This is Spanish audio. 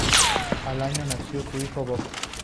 Al año nació su hijo Bob.